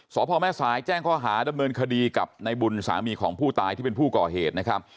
พ่อแม่สายแจ้งข้อหาดำเนินคดีกับในบุญสามีของผู้ตายที่เป็นผู้ก่อเหตุนะครับ